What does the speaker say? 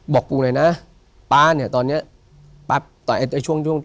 บอกปูหน่อยนะป๊าเนี่ยตอนเนี่ย